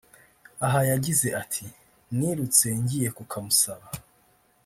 Aha yagize ati” Nirutse ngiye kukamusaba